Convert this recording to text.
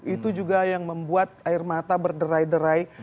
itu juga yang membuat air mata berderai derai